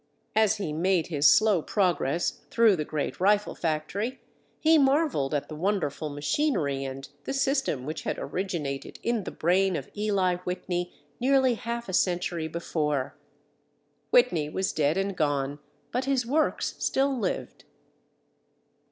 As he made his slow progress through the great rifle factory, he marveled at the wonderful machinery and the system which had originated in the brain of Eli Whitney nearly half a century before; Whitney was dead and gone, but his works still lived.